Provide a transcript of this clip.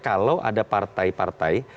kalau ada partai partai